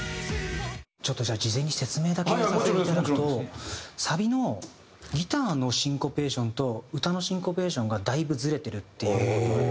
ちょっとじゃあ事前に説明だけ入れさせていただくとサビのギターのシンコペーションと歌のシンコペーションがだいぶずれてるっていう。